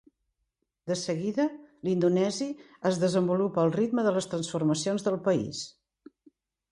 De seguida, l'indonesi es desenvolupa al ritme de les transformacions del país.